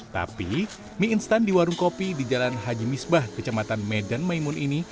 tapi mie instan di warung kopi di jalan haji misbah kecamatan medan maimun ini